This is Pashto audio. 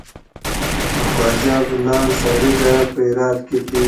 د خواجه عبدالله انصاري زيارت په هرات کی دی